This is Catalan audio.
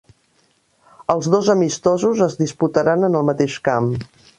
Els dos amistosos es disputaran en el mateix camp.